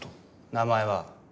名前は？